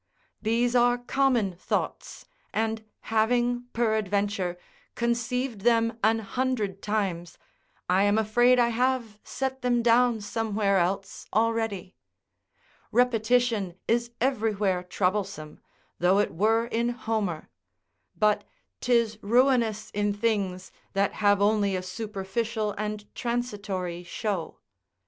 These are common thoughts, and having, peradventure, conceived them an hundred times, I am afraid I have set them down somewhere else already. Repetition is everywhere troublesome, though it were in Homer; but 'tis ruinous in things that have only a superficial and transitory show.